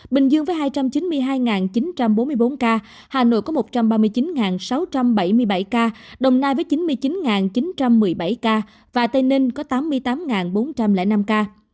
bình dương với hai trăm chín mươi hai chín trăm bốn mươi bốn ca hà nội có một trăm ba mươi chín sáu trăm bảy mươi bảy ca đồng nai với chín mươi chín chín trăm một mươi bảy ca và tây ninh có tám mươi tám bốn trăm linh năm ca